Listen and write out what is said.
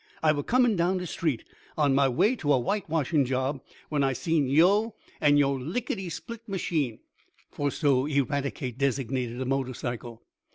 I were comin' down de street, on mah way t' a whitewashin' job, when I seen yo', an yo' lickitysplit machine," for so Eradicate designated a motorcycle.